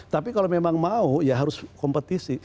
tapi kalau memang mau ya harus kompetisi